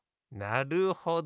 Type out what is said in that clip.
なるほど。